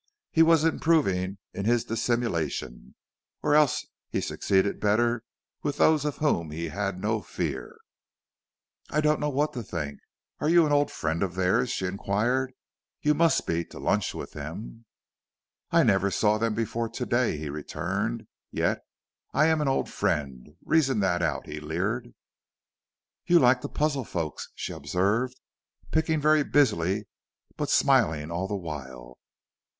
He was improving in his dissimulation, or else he succeeded better with those of whom he had no fear. "I don't know what to think. Are you an old friend of theirs?" she inquired. "You must be, to lunch with them." "I never saw them before to day," he returned, "yet I am an old friend. Reason that out," he leered. "You like to puzzle folks," she observed, picking very busily but smiling all the while.